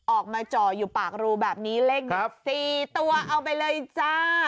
ออกมาจ่ออยู่ปากรูแบบนี้เลขนี้๔ตัวเอาไปเลยจ้า